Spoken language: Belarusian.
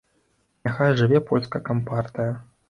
Няхай жыве польская кампартыя.